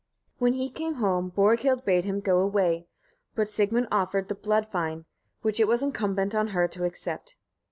When he came home, Borghild bade him go away, but Sigmund offered the blood fine, which it was incumbent on her to accept.